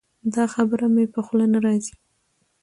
دا خبره مې په خوله نه راځي.